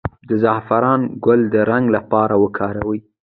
د زعفران ګل د رنګ لپاره وکاروئ